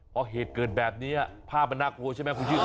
เพราะเหตุเกิดแบบนี้ภาพมันน่ากลัวใช่ไหมคุณผู้ชมครับ